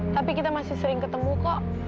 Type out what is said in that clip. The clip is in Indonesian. tapi kita masih sering ketemu kok